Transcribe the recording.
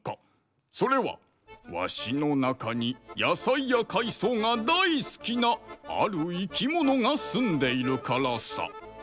それはわしの中に野菜や海藻が大好きなある生き物がすんでいるからさ。